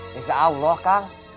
ya se allah kang